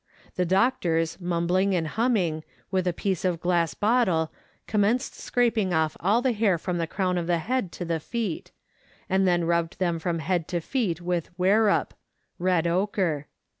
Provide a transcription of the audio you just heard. The doctors, mumbling and humming, with a piece of glass bottle commenced scraping off all the hair from the crown of the head to the feet, and then rubbed them from head to feet with werup (red ochre).